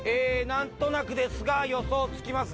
何となくですが予想つきます